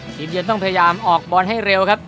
เย็นต้องพยายามออกบอลให้เร็วครับ